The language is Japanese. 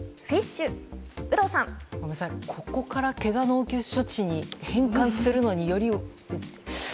ここからけがの応急処置に変換するのって。